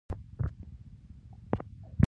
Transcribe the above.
کوچیان د افغانستان د ځمکې د جوړښت نښه ده.